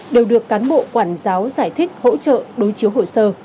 đều được cán bộ quản giáo giải thích hỗ trợ đối chiếu hồ sơ